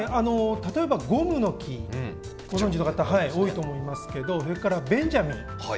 例えばゴムノキご存じの方多いと思いますけどそれからベンジャミン。